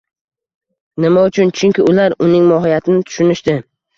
Nima uchun? Chunki ular uning mohiyatni tushunishdi.